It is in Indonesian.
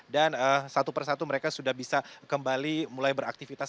dan satu persatu mereka sudah bisa kembali mulai beraktifitas